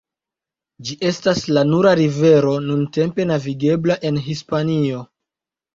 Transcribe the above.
Ĝi estas la nura rivero nuntempe navigebla en Hispanio.